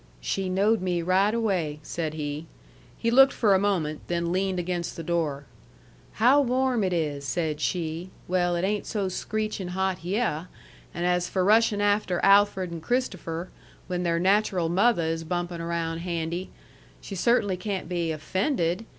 "She knowed me right away," said he. He looked for a moment, then leaned against the door. "'How warm it is!' said she. Well, it ain't so screechin' hot hyeh; and as for rushin' after Alfred and Christopher, when their natural motheh is bumpin' around handy she cert'nly can't be offended?"